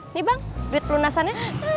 nih bang duit pelunasannya